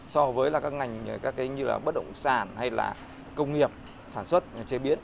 so với các ngành như là bất động sản hay là công nghiệp sản xuất chế biến